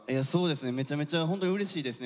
めちゃめちゃホントにうれしいですね。